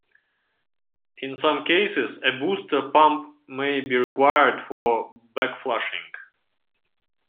In some cases, a booster pump may be required for backflushing.